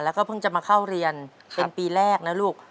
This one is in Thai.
แล้วก็เพิ่งจะมาเข้าเรียนเป็นปีแรกนะลูก